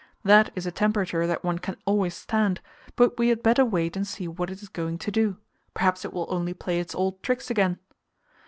That is a temperature that one can always stand, but we had better wait and see what it is going to do; perhaps it will only play its old tricks again.